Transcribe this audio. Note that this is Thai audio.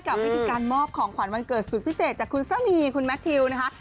กับวิธีการมอบของขวัญวันเกิดสุดพิเศษจากคุณสามีคุณแมททิวนะคะ